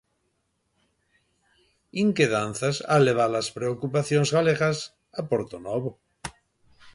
Inquedanzas, a levar as preocupacións galegas a Portonovo.